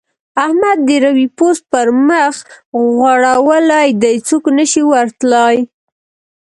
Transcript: احمد د روې پوست پر مخ غوړولی دی؛ څوک نه شي ور تلای.